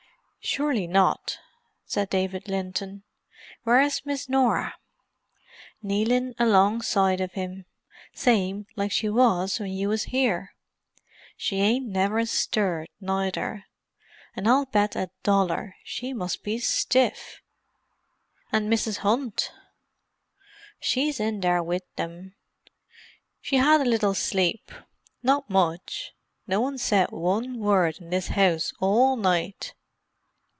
"Surely not," said David Linton. "Where is Miss Norah?" "Kneelin' alongside of 'im, same like she was when you was here. She ain't never stirred, neither. An' I'll bet a dollar she must be stiff!" "And Mrs. Hunt?" "She's in there, wiv 'em. She 'ad a little sleep; not much. No one's said one word in this 'ouse all night."